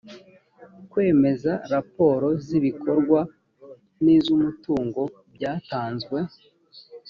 kwemeza raporo z ‘ibikorwa n ‘izumutungo byatanzwe .